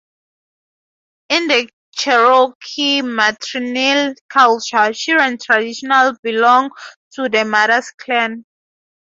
In the Cherokee matrilineal culture, children traditionally belonged to the mother's clan.